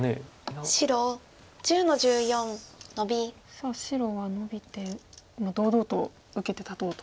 さあ白はノビて堂々と受けて立とうと。